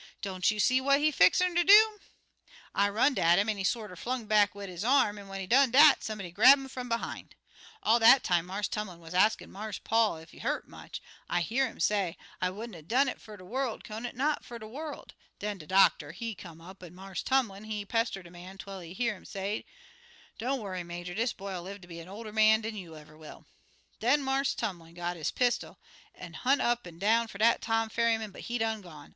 Don't you see what he fixin' ter do?' "I run'd at 'im, an' he sorter flung back wid his arm, an' when he done dat somebody grab 'im fum behind. All dat time Marse Tumlin wuz axin' Marse Paul Conant ef he hurt much. I hear 'im say, 'I wouldn't 'a' done it fer de worl', Conant not fer de worl'.' Den de doctor, he come up, an' Marse Tumlin, he pester de man twel he hear 'im say, 'Don't worry, Major; dis boy'll live ter be a older man dan you ever will.' Den Marse Tumlin got his pistol an' hunt up an' down fer dat ar Tom Ferryman, but he done gone.